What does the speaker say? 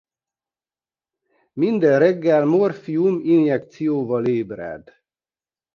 Minden reggel morfium injekcióval ébred.